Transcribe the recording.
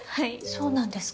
そうなんですか？